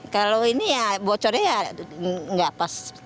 kalau ini ya bocornya ya nggak pas